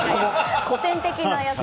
古典的なやつ。